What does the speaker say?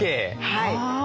はい。